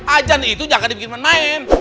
ajan itu jangan dibikin main